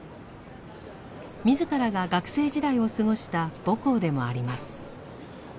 自らが学生時代を過ごした母校でもあります。